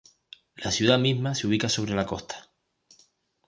La ciudad misma se ubica sobre la costa.